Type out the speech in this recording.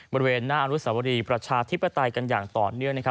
บริเวณหน้าอนุสวรีประชาธิปไตยกันอย่างต่อเนื่อง